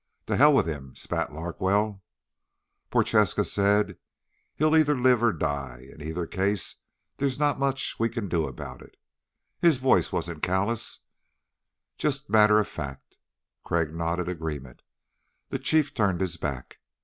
"To hell with him," spat Larkwell. Prochaska said, "He'll either live or die. In either case there's not much we can do about it." His voice wasn't callous, just matter of fact. Crag nodded agreement. The Chief turned his back.